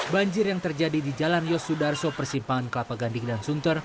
banjir yang terjadi di jalan yosudarso persimpangan kelapa gading dan sunter